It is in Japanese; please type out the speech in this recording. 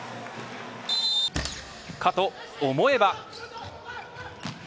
かと思えば。